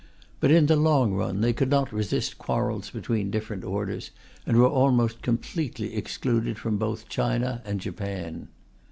But in the long run they could not resist quarrels between different orders, and were almost completely excluded from both China and Japan.